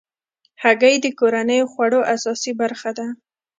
هګۍ د کورنیو خوړو اساسي برخه ده.